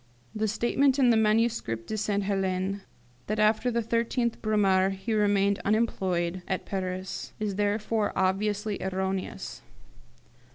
The statement in the 'Manuscrit de Sainte Helene, that after the 13th Brumaire he remained unemployed at Paris, is therefore obviously erroneous.